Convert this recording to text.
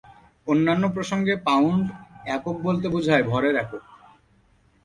অন্যান্য প্রসঙ্গে, "পাউন্ড" একক বলতে বোঝায় ভরের একক।